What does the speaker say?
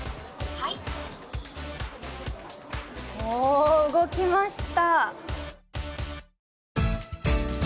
おー、動きました。